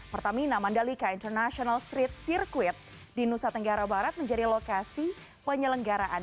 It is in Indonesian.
pertamina mandalika international street circuit di nusa tenggara barat menjadi lokasi penyelenggaraan